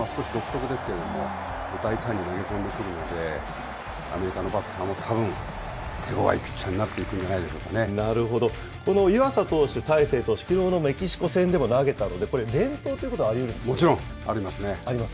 投球フォームは少し独特ですけれども、大胆に投げ込んでくるので、アメリカのバッターもたぶん、手ごわいピッチャーになっていくんこの湯浅投手、大勢投手、きのうのメキシコ戦でも投げたので、これ、連投ということはありうるもちろんありますね。